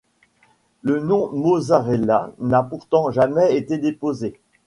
Le nom mozzarella n'a pourtant jamais été déposé.